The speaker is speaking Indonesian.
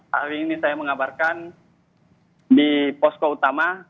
hari ini saya mengabarkan di posko utama